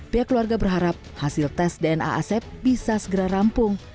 pihak keluarga berharap hasil tes dna asep bisa segera rampung